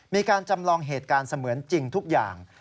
มีการจำลองเหตุการณ์เสมือนจริงทุกอย่าง